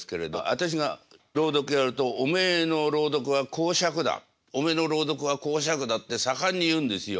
私が朗読やるとおめえの朗読は講釈だおめえの朗読は講釈だって盛んに言うんですよ。